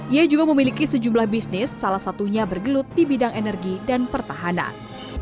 ia juga memiliki sejumlah bisnis salah satunya bergelut di bidang energi dan pertahanan